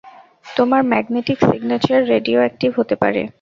তোমার magnetic signature radioactive হতে পারে।